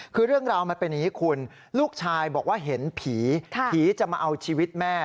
คือเรื่องราวมันเป็นอย่างนี้คุณลูกชายบอกว่าเห็นผีผีจะมาเอาชีวิตแม่